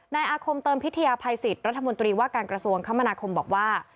อาคมเติมพิทยาภัยสิทธิ์รัฐมนตรีว่าการกระทรวงคมนาคมบอกว่า